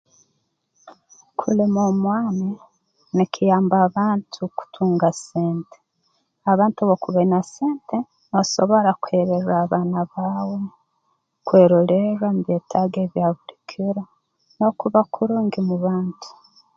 Kulima omwani nikiyamba abantu kutunga sente abantu obu okuba oine sente noosobora kuheererra abaana baawe kwerolerra mu byetaago ebya buli kiro n'okuba kurungi mu bantu